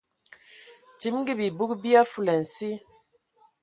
Timigi bibug bi a fulansi.